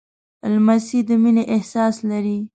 لمسی د مینې احساس لري.